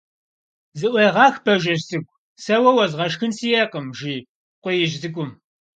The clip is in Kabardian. Зыӏуегъэх, Бажэжь цӏыкӏу, сэ уэ уэзгъэшхын сиӏэкъым, - жи Къуиижь Цӏыкӏум.